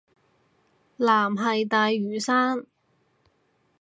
藍係大嶼山